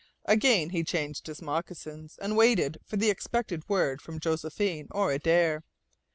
Again he changed his moccasins, and waited for the expected word from Josephine or Adare.